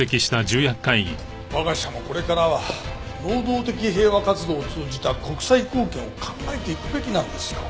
我が社もこれからは能動的平和活動を通じた国際貢献を考えていくべきなんですよ。